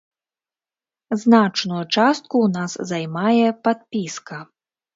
Значную частку ў нас займае падпіска.